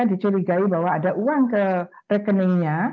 dicurigai bahwa ada uang ke rekeningnya